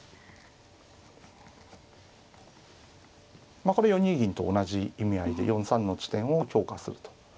まあこれ４二銀と同じ意味合いで４三の地点を強化すると。